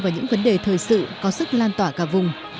và những vấn đề thời sự có sức lan tỏa cả vùng